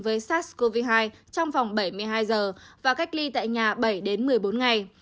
với sars cov hai trong vòng bảy mươi hai giờ và cách ly tại nhà bảy đến một mươi bốn ngày